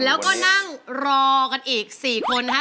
แล้วก็นั่งรอกันอีก๔คนนะคะ